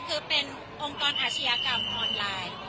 คือเป็นองค์กรอาชญากรรมออนไลน์